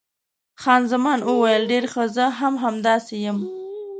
خان زمان وویل، ډېر ښه، زه هم همداسې یم.